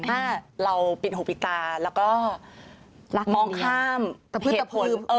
ถ้าเราปิดหูปิดตาแล้วก็มองข้ามเหตุผล